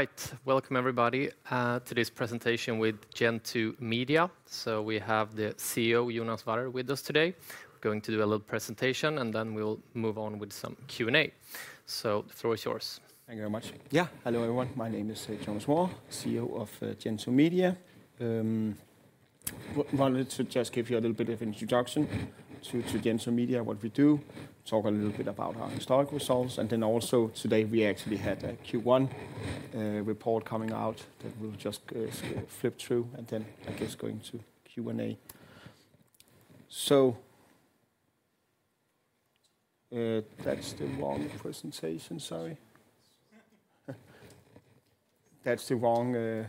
Right, welcome everybody to this presentation with Gentoo Media. We have the CEO, Jonas Warrer, with us today. We're going to do a little presentation, and then we'll move on with some Q&A. The floor is yours. Thank you very much. Yeah, hello everyone. My name is Jonas Warrer, CEO of Gentoo Media. Wanted to just give you a little bit of an introduction to Gentoo Media, what we do, talk a little bit about our historical results. And then also today we actually had a Q1 report coming out that we'll just flip through, and then I guess going to Q&A. That's the wrong presentation, sorry. That's the wrong.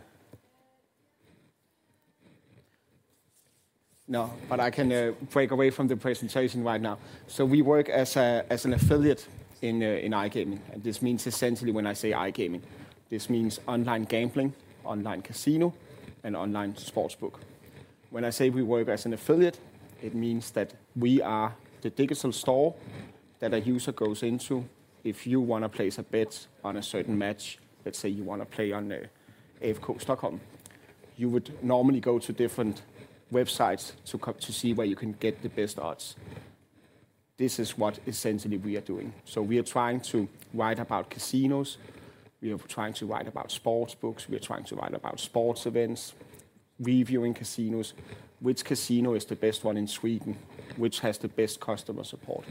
No, but I can break away from the presentation right now. We work as an affiliate in iGaming. This means essentially when I say iGaming, this means online gambling, online casino, and online sportsbook. When I say we work as an affiliate, it means that we are the digital store that a user goes into. If you want to place a bet on a certain match, let's say you want to play on FCO Stockholm, you would normally go to different websites to see where you can get the best odds. This is what essentially we are doing. We are trying to write about casinos. We are trying to write about sportsbooks. We are trying to write about sports events, reviewing casinos, which casino is the best one in Sweden, which has the best customer support.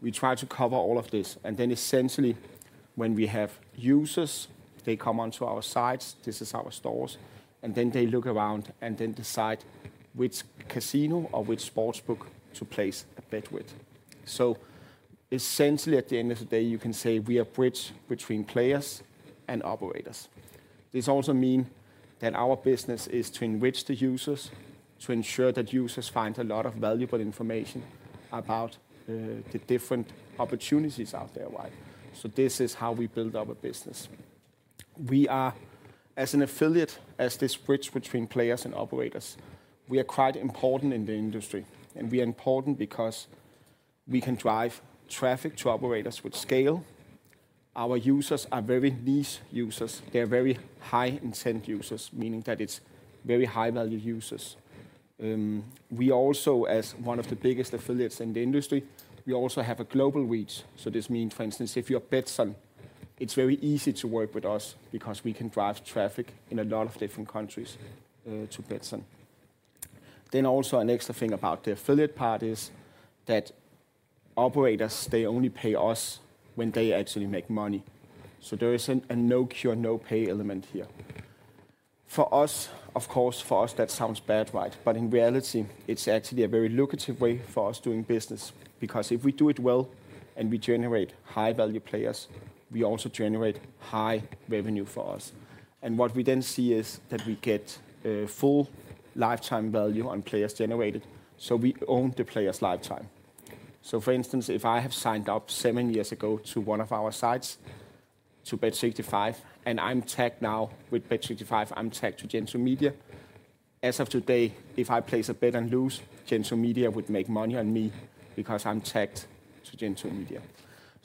We try to cover all of this. Essentially when we have users, they come onto our sites, this is our stores, and then they look around and then decide which casino or which sportsbook to place a bet with. Essentially at the end of the day, you can say we are a bridge between players and operators. This also means that our business is to enrich the users, to ensure that users find a lot of valuable information about the different opportunities out there. This is how we build up a business. We are, as an affiliate, as this bridge between players and operators, quite important in the industry. We are important because we can drive traffic to operators with scale. Our users are very niche users. They are very high intent users, meaning that it's very high value users. We also, as one of the biggest affiliates in the industry, have a global reach. This means, for instance, if you're Betsson, it's very easy to work with us because we can drive traffic in a lot of different countries to Betsson. Also, an extra thing about the affiliate part is that operators, they only pay us when they actually make money. There is a no cure, no pay element here. For us, of course, that sounds bad, right? In reality, it's actually a very lucrative way for us doing business. If we do it well and we generate high value players, we also generate high revenue for us. What we then see is that we get full lifetime value on players generated. We own the players' lifetime. For instance, if I have signed up seven years ago to one of our sites to Bet65, and I'm tagged now with Bet65, I'm tagged to Gentoo Media. As of today, if I place a bet and lose, Gentoo Media would make money on me because I'm tagged to Gentoo Media.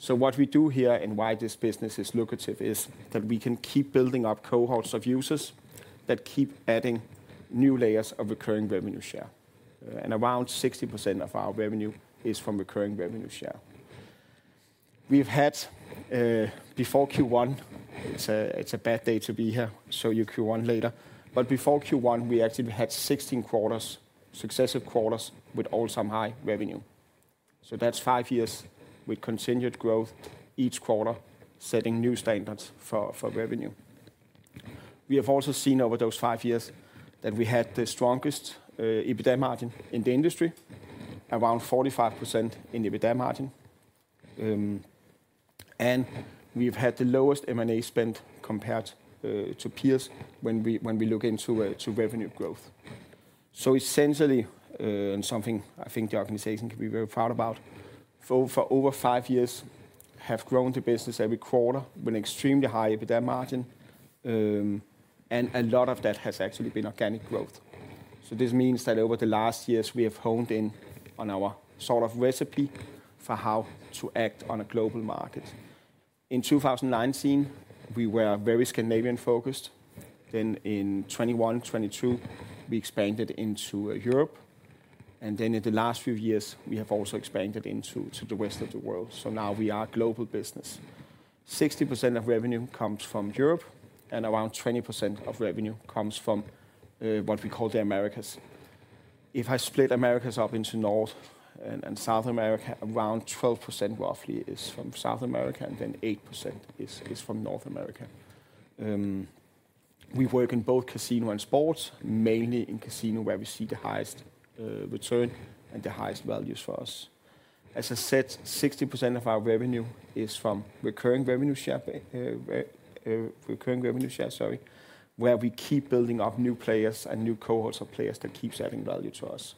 What we do here and why this business is lucrative is that we can keep building up cohorts of users that keep adding new layers of recurring revenue share. Around 60% of our revenue is from recurring revenue share. We have had before Q1, it is a bad day to be here, so you Q1 later. Before Q1, we actually had 16 successive quarters with all some high revenue. That is five years with continued growth each quarter, setting new standards for revenue. We have also seen over those five years that we had the strongest EBITDA margin in the industry, around 45% in EBITDA margin. We have had the lowest M&A spend compared to peers when we look into revenue growth. Essentially, and something I think the organization can be very proud about, for over five years have grown the business every quarter with an extremely high EBITDA margin. A lot of that has actually been organic growth. This means that over the last years we have honed in on our sort of recipe for how to act on a global market. In 2019, we were very Scandinavian focused. Then in 2021, 2022, we expanded into Europe. In the last few years, we have also expanded into the rest of the world. Now we are a global business. 60% of revenue comes from Europe and around 20% of revenue comes from what we call the Americas. If I split Americas up into North and South America, around 12% roughly is from South America and then 8% is from North America. We work in both casino and sports, mainly in casino where we see the highest return and the highest values for us. As I said, 60% of our revenue is from recurring revenue share, where we keep building up new players and new cohorts of players that keep adding value to us.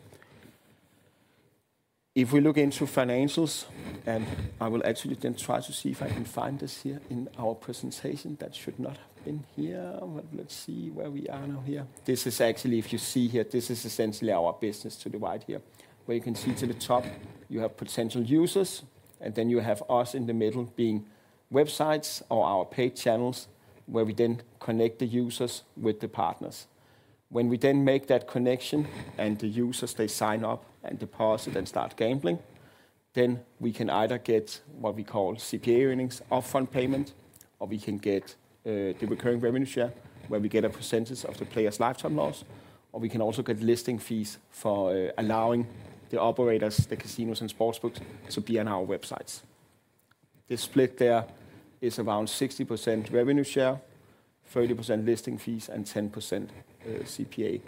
If we look into financials, and I will actually then try to see if I can find this here in our presentation, that should not have been here. Let's see where we are now here. This is actually, if you see here, this is essentially our business to the right here, where you can see to the top you have potential users, and then you have us in the middle being websites or our paid channels where we then connect the users with the partners. When we then make that connection and the users, they sign up and deposit and start gambling, then we can either get what we call CPA earnings upfront payment, or we can get the recurring revenue share where we get a percentage of the players' lifetime loss, or we can also get listing fees for allowing the operators, the casinos and sportsbooks to be on our websites. The split there is around 60% revenue share, 30% listing fees, and 10% CPA.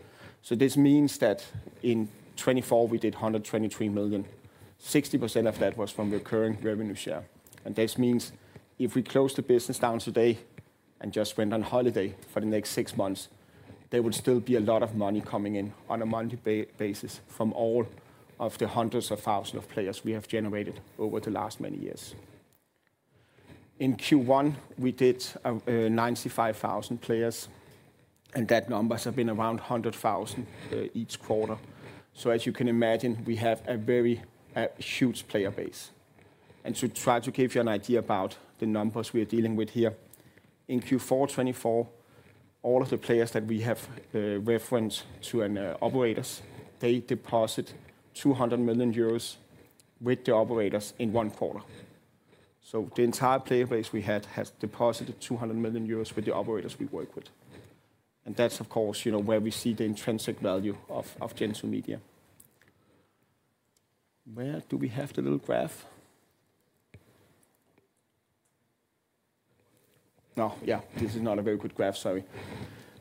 This means that in 2024 we did 123 million. 60% of that was from recurring revenue share. This means if we close the business down today and just went on holiday for the next six months, there would still be a lot of money coming in on a monthly basis from all of the hundreds of thousands of players we have generated over the last many years. In Q1, we did 95,000 players, and that number has been around 100,000 each quarter. As you can imagine, we have a very huge player base. To try to give you an idea about the numbers we are dealing with here, in Q4 2024, all of the players that we have referenced to operators, they deposit 200 million euros with the operators in one quarter. The entire player base we had has deposited 200 million euros with the operators we work with. That is, of course, where we see the intrinsic value of Gentoo Media. Where do we have the little graph? No, yeah, this is not a very good graph, sorry.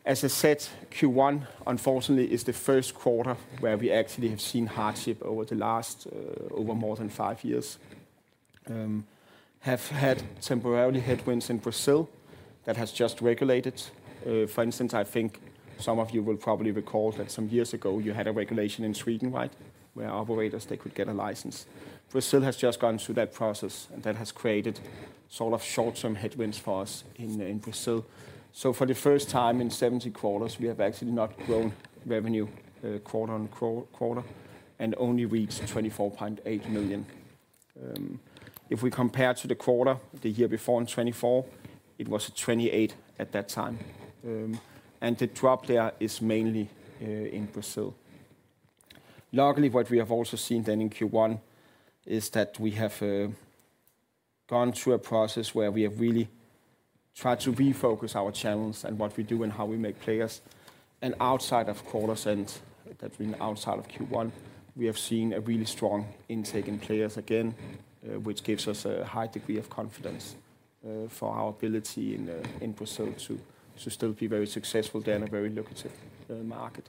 As I said, Q1 unfortunately is the first quarter where we actually have seen hardship over the last, over more than five years. Have had temporary headwinds in Brazil that has just regulated. For instance, I think some of you will probably recall that some years ago you had a regulation in Sweden, right, where operators, they could get a license. Brazil has just gone through that process, and that has created sort of short-term headwinds for us in Brazil. For the first time in 70 quarters, we have actually not grown revenue quarter on quarter and only reached 24.8 million. If we compare to the quarter the year before in 2024, it was 28 million at that time. The drop there is mainly in Brazil. Luckily, what we have also seen in Q1 is that we have gone through a process where we have really tried to refocus our channels and what we do and how we make players. Outside of quarters and that's been outside of Q1, we have seen a really strong intake in players again, which gives us a high degree of confidence for our ability in Brazil to still be very successful there in a very lucrative market.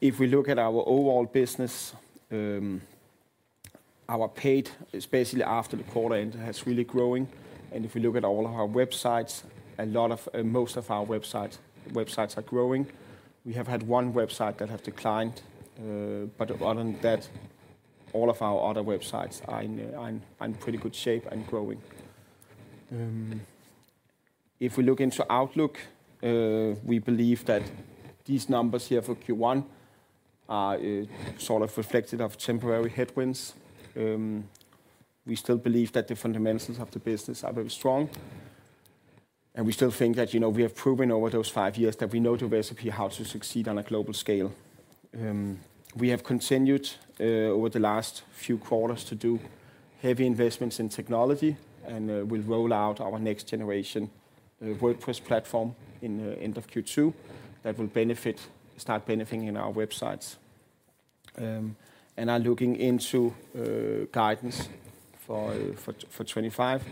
If we look at our overall business, our paid is basically after the quarter end has really grown. If we look at all of our websites, a lot of most of our websites are growing. We have had one website that has declined, but other than that, all of our other websites are in pretty good shape and growing. If we look into Outlook, we believe that these numbers here for Q1 are sort of reflective of temporary headwinds. We still believe that the fundamentals of the business are very strong. We still think that we have proven over those five years that we know the recipe how to succeed on a global scale. We have continued over the last few quarters to do heavy investments in technology and will roll out our next generation WordPress platform in the end of Q2 that will start benefiting our websites. We are looking into guidance for 2025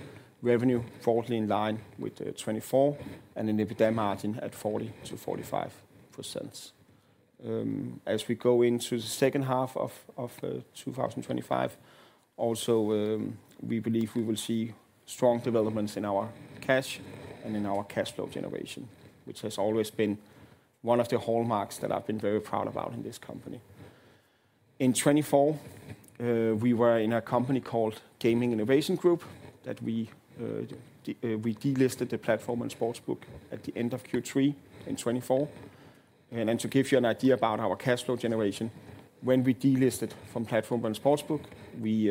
revenue broadly in line with 2024 and an EBITDA margin at 40-45%. As we go into the second half of 2025, also we believe we will see strong developments in our cash and in our cash flow generation, which has always been one of the hallmarks that I've been very proud about in this company. In 2024, we were in a company called Gaming Innovation Group that we delisted the platform and sportsbook at the end of Q3 in 2024. To give you an idea about our cash flow generation, when we delisted from platform and sportsbook, we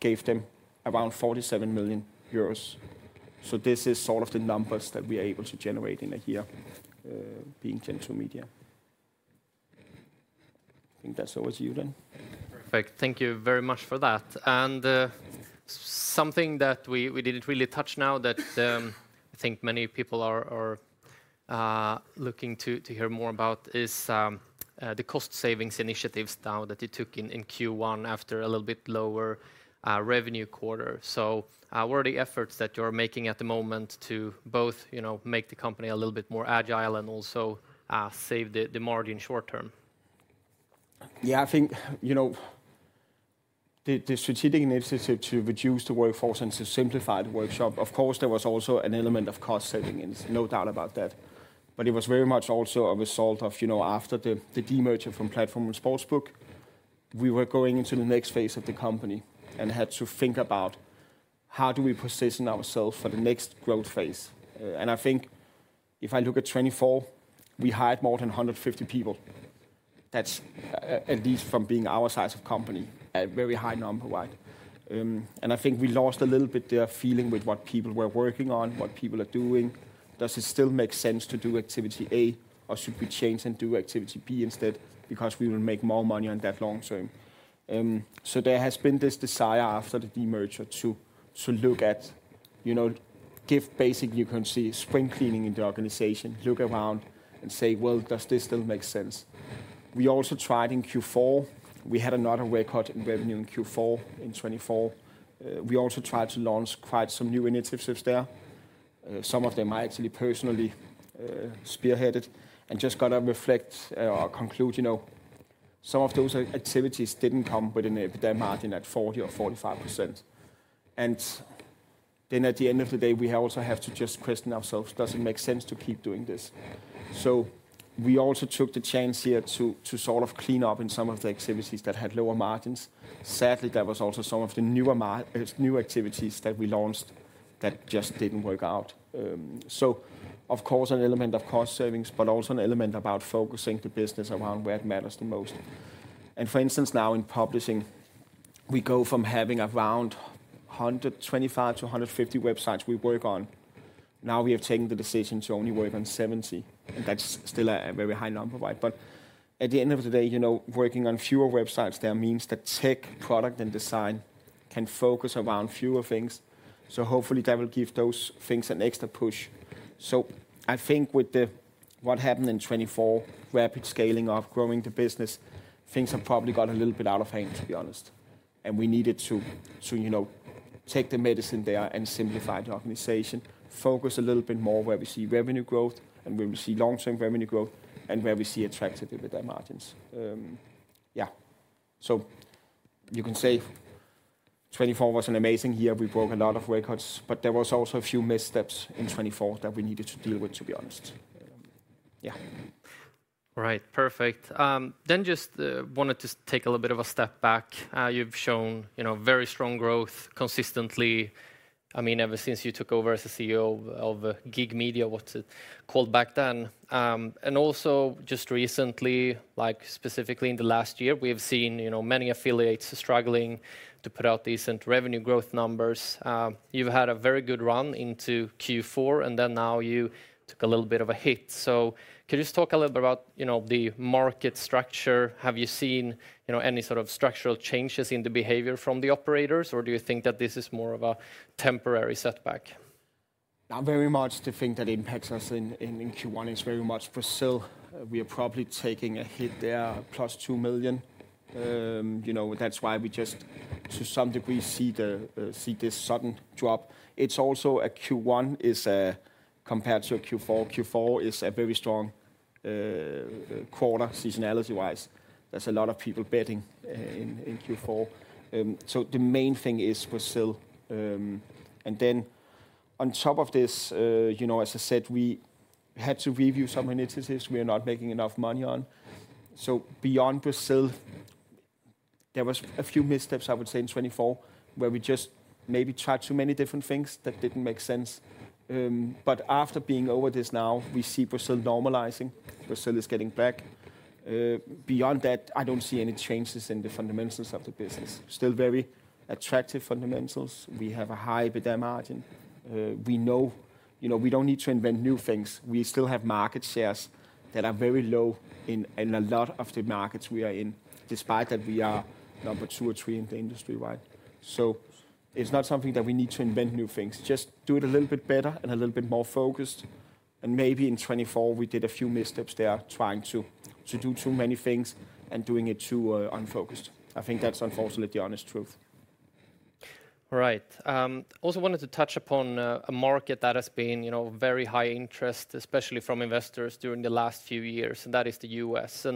gave them around 47 million euros. This is sort of the numbers that we are able to generate in a year being Gentoo Media. I think that's over to you then. Perfect. Thank you very much for that. Something that we didn't really touch now that I think many people are looking to hear more about is the cost savings initiatives now that you took in Q1 after a little bit lower revenue quarter. What are the efforts that you're making at the moment to both make the company a little bit more agile and also save the margin short term? Yeah, I think the strategic initiative to reduce the workforce and to simplify the workshop, of course, there was also an element of cost savings, no doubt about that. It was very much also a result of after the demerger from platform and sportsbook, we were going into the next phase of the company and had to think about how do we position ourselves for the next growth phase. I think if I look at 2024, we hired more than 150 people. That is, at least from being our size of company, a very high number, right? I think we lost a little bit their feeling with what people were working on, what people are doing. Does it still make sense to do activity A or should we change and do activity B instead because we will make more money on that long term? There has been this desire after the demerger to look at, give basically you can see spring cleaning in the organization, look around and say, well, does this still make sense? We also tried in Q4. We had another record in revenue in Q4 in 2024. We also tried to launch quite some new initiatives there. Some of them I actually personally spearheaded and just got to reflect or conclude some of those activities didn't come with an EBITDA margin at 40% or 45%. At the end of the day, we also have to just question ourselves, does it make sense to keep doing this? We also took the chance here to sort of clean up in some of the activities that had lower margins. Sadly, there was also some of the new activities that we launched that just didn't work out. Of course, an element of cost savings, but also an element about focusing the business around where it matters the most. For instance, now in publishing, we go from having around 125 to 150 websites we work on. Now we have taken the decision to only work on 70. That is still a very high number, right? At the end of the day, working on fewer websites there means that tech, product, and design can focus around fewer things. Hopefully that will give those things an extra push. I think with what happened in 2024, rapid scaling of growing the business, things have probably got a little bit out of hand, to be honest. We needed to take the medicine there and simplify the organization, focus a little bit more where we see revenue growth and where we see long-term revenue growth and where we see attractive EBITDA margins. Yeah. You can say 2024 was an amazing year. We broke a lot of records, but there were also a few missteps in 2024 that we needed to deal with, to be honest. Yeah. Right. Perfect. I just wanted to take a little bit of a step back. You've shown very strong growth consistently. I mean, ever since you took over as CEO of Gentoo Media, what's it called back then. Also, just recently, specifically in the last year, we have seen many affiliates struggling to put out decent revenue growth numbers. You've had a very good run into Q4, and now you took a little bit of a hit. Can you just talk a little bit about the market structure? Have you seen any sort of structural changes in the behavior from the operators, or do you think that this is more of a temporary setback? Not very much to think that impacts us in Q1. It is very much Brazil. We are probably taking a hit there, plus 2 million. That is why we just, to some degree, see this sudden drop. It is also a Q1 compared to a Q4. Q4 is a very strong quarter seasonality-wise. There are a lot of people betting in Q4. The main thing is Brazil. On top of this, as I said, we had to review some initiatives we are not making enough money on. Beyond Brazil, there were a few missteps, I would say, in 2024 where we just maybe tried too many different things that did not make sense. After being over this now, we see Brazil normalizing. Brazil is getting back. Beyond that, I do not see any changes in the fundamentals of the business. Still very attractive fundamentals. We have a high EBITDA margin. We know we do not need to invent new things. We still have market shares that are very low in a lot of the markets we are in, despite that we are number two or three in the industry, right? It is not something that we need to invent new things. Just do it a little bit better and a little bit more focused. Maybe in 2024, we did a few missteps there trying to do too many things and doing it too unfocused. I think that is unfortunately the honest truth. All right. Also wanted to touch upon a market that has been very high interest, especially from investors during the last few years, and that is the U.S.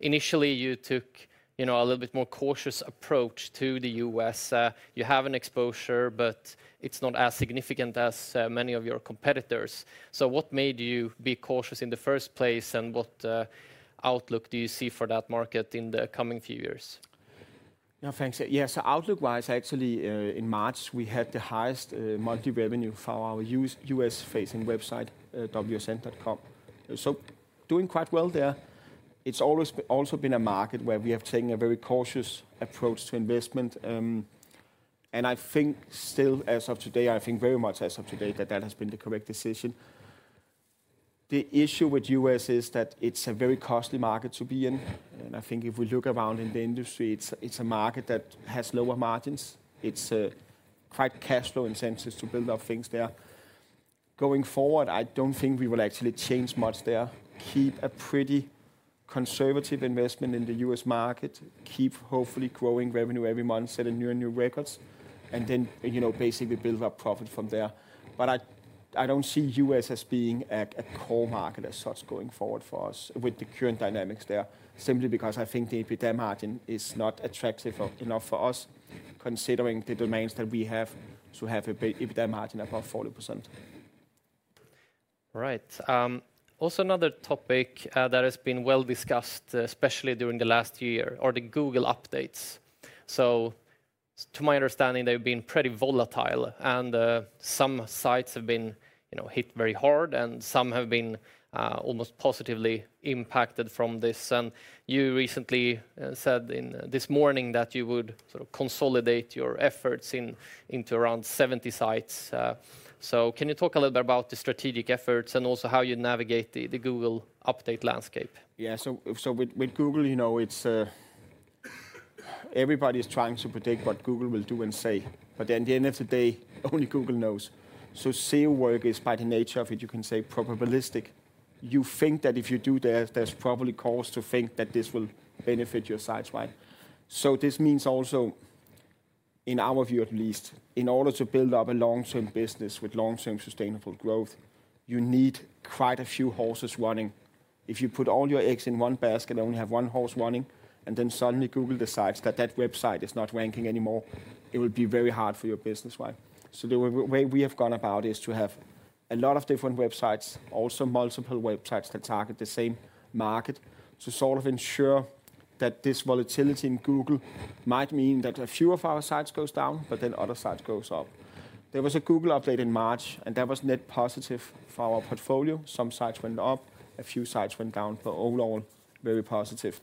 Initially, you took a little bit more cautious approach to the U.S. You have an exposure, but it's not as significant as many of your competitors. What made you be cautious in the first place, and what outlook do you see for that market in the coming few years? Yeah, thanks. Yeah, so outlook-wise, actually, in March, we had the highest monthly revenue for our U.S.-facing website, WSN.com. Doing quite well there. It's also been a market where we have taken a very cautious approach to investment. I think still, as of today, I think very much as of today that that has been the correct decision. The issue with US is that it's a very costly market to be in. I think if we look around in the industry, it's a market that has lower margins. It's quite cash flow incentives to build up things there. Going forward, I don't think we will actually change much there. Keep a pretty conservative investment in the US market, keep hopefully growing revenue every month, set a new and new records, and then basically build up profit from there. I don't see US as being a core market as such going forward for us with the current dynamics there, simply because I think the EBITDA margin is not attractive enough for us, considering the demands that we have to have an EBITDA margin above 40%. All right. Also another topic that has been well discussed, especially during the last year, are the Google updates. To my understanding, they've been pretty volatile, and some sites have been hit very hard, and some have been almost positively impacted from this. You recently said this morning that you would sort of consolidate your efforts into around 70 sites. Can you talk a little bit about the strategic efforts and also how you navigate the Google update landscape? Yeah, with Google, everybody is trying to predict what Google will do and say. At the end of the day, only Google knows. SEO work is by the nature of it, you can say, probabilistic. You think that if you do there, there's probably cause to think that this will benefit your sites, right? This means also, in our view at least, in order to build up a long-term business with long-term sustainable growth, you need quite a few horses running. If you put all your eggs in one basket and only have one horse running, and then suddenly Google decides that that website is not ranking anymore, it will be very hard for your business, right? The way we have gone about is to have a lot of different websites, also multiple websites that target the same market, to sort of ensure that this volatility in Google might mean that a few of our sites go down, but then other sites go up. There was a Google update in March, and that was net positive for our portfolio. Some sites went up, a few sites went down, but overall very positive.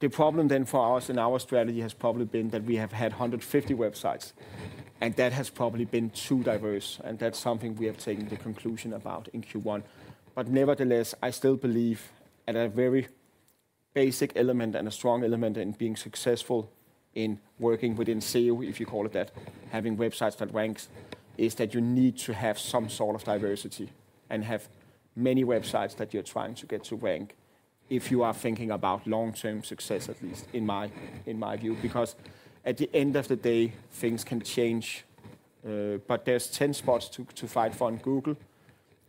The problem then for us in our strategy has probably been that we have had 150 websites, and that has probably been too diverse. That is something we have taken the conclusion about in Q1. Nevertheless, I still believe at a very basic element and a strong element in being successful in working within SEO, if you call it that, having websites that rank, is that you need to have some sort of diversity and have many websites that you're trying to get to rank if you are thinking about long-term success, at least in my view, because at the end of the day, things can change. There are 10 spots to fight for in Google.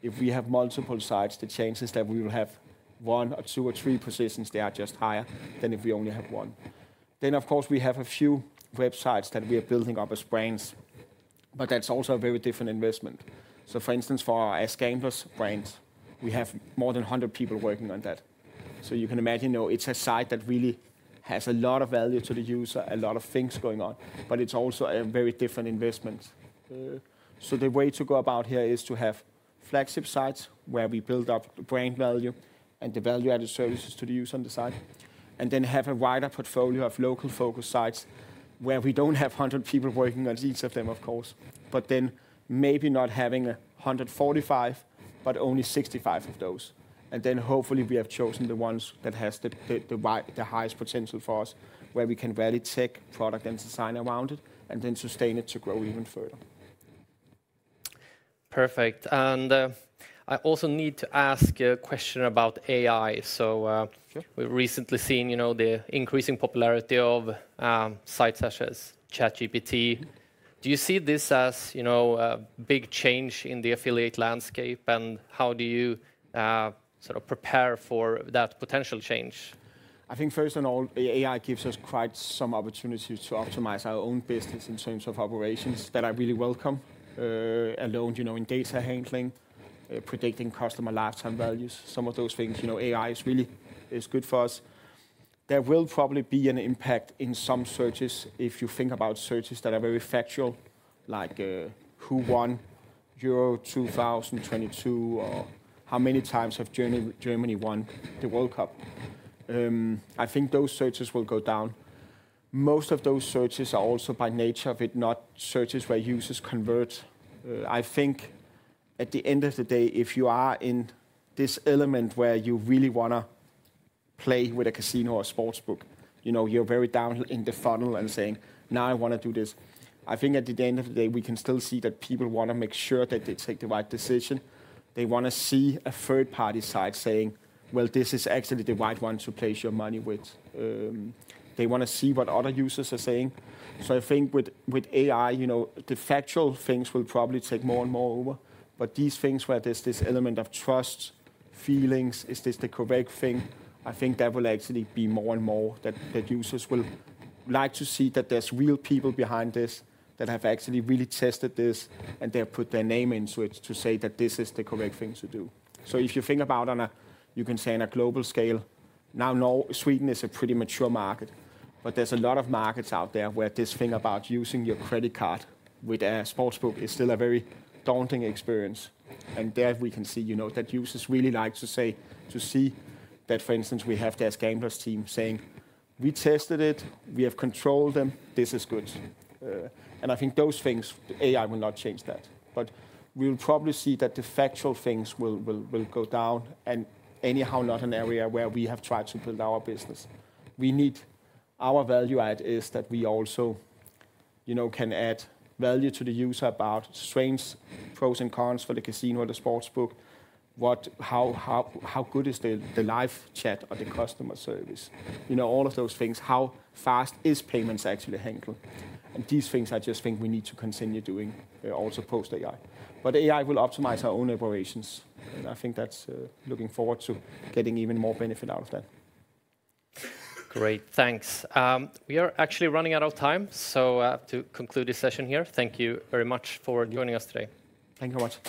If we have multiple sites, the chances that we will have one or two or three positions, they are just higher than if we only have one. Of course, we have a few websites that we are building up as brands, but that's also a very different investment. For instance, for our AskGamblers brand, we have more than 100 people working on that. You can imagine it's a site that really has a lot of value to the user, a lot of things going on, but it's also a very different investment. The way to go about here is to have flagship sites where we build up brand value and the value-added services to the user on the site, and then have a wider portfolio of local-focused sites where we don't have 100 people working on each of them, of course, but then maybe not having 145, but only 65 of those. Hopefully we have chosen the ones that have the highest potential for us, where we can validate tech product and design around it, and then sustain it to grow even further. Perfect. I also need to ask a question about AI. We've recently seen the increasing popularity of sites such as ChatGPT. Do you see this as a big change in the affiliate landscape, and how do you sort of prepare for that potential change? I think first of all, AI gives us quite some opportunities to optimize our own business in terms of operations that I really welcome, alone in data handling, predicting customer lifetime values, some of those things. AI is really good for us. There will probably be an impact in some searches if you think about searches that are very factual, like who won Euro 2022 or how many times has Germany won the World Cup. I think those searches will go down. Most of those searches are also by nature of it, not searches where users convert. I think at the end of the day, if you are in this element where you really want to play with a casino or sportsbook, you're very down in the funnel and saying, "Now I want to do this." I think at the end of the day, we can still see that people want to make sure that they take the right decision. They want to see a third-party site saying, "Well, this is actually the right one to place your money with." They want to see what other users are saying. I think with AI, the factual things will probably take more and more over. These things where there's this element of trust, feelings, "Is this the correct thing?" I think that will actually be more and more that users will like to see that there's real people behind this that have actually really tested this and they have put their name into it to say that this is the correct thing to do. If you think about, you can say on a global scale, now Sweden is a pretty mature market, but there's a lot of markets out there where this thing about using your credit card with a sportsbook is still a very daunting experience. There we can see that users really like to see that, for instance, we have the AskGamblers team saying, "We tested it. We have controlled them. This is good." I think those things, AI will not change that. We will probably see that the factual things will go down and anyhow not an area where we have tried to build our business. Our value add is that we also can add value to the user about strange pros and cons for the casino or the sportsbook. How good is the live chat or the customer service? All of those things, how fast is payments actually handled? These things I just think we need to continue doing also post-AI. AI will optimize our own operations. I think that's looking forward to getting even more benefit out of that. Great. Thanks. We are actually running out of time, so I have to conclude this session here. Thank you very much for joining us today. Thank you very much.